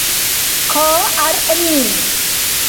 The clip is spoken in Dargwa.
— Хъа гӏяргӏни.